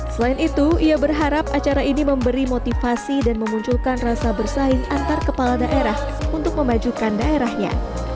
selain itu ia berharap acara ini memberi motivasi dan memunculkan rasa bersaing antar kepala daerah untuk memajukan daerahnya